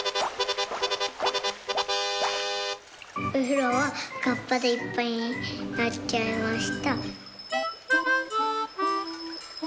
「おふろはカッパでいっぱいになっちゃいました」。